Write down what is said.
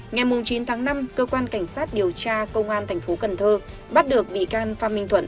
ngày chín tháng năm cơ quan cảnh sát điều tra công an thành phố cần thơ bắt được bị can phan minh thuận